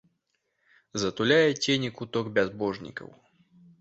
Затуляе цені куток бязбожнікаў.